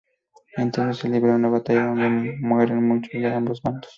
Entonces se libra una batalla donde mueren muchos de ambos bandos.